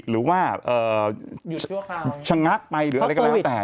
หรือว่าชะงักไปหรืออะไรก็แล้วแต่